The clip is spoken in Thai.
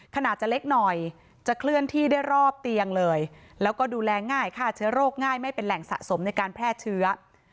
ขนาดจะเล็กหน่อยจะเคลื่อนที่ได้รอบเตียงเลยแล้วก็ดูแลง่ายฆ่าเชื้อโรคง่ายไม่เป็นแหล่งสะสมในการแพร่เชื้อ